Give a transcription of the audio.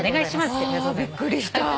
あびっくりした。